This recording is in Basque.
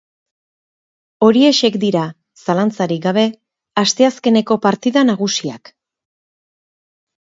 Horiexek dira, zalantzarik gabe, asteazkeneko partida nagusiak.